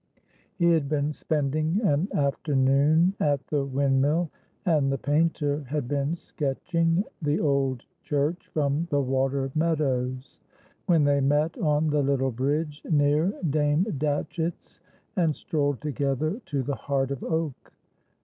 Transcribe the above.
He had been spending an afternoon at the windmill, and the painter had been sketching the old church from the water meadows, when they met on the little bridge near Dame Datchett's, and strolled together to the Heart of Oak.